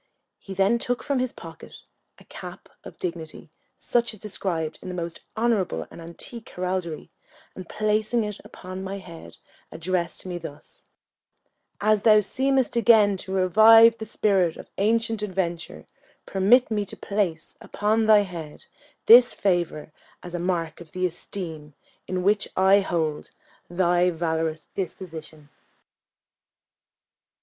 He then took from his pocket a cap of dignity, such as described in the most honourable and antique heraldry, and placing it upon my head, addressed me thus: "As thou seemest again to revive the spirit of ancient adventure, permit me to place upon thy head this favour, as a mark of the esteem in which I hold thy valorous disposition."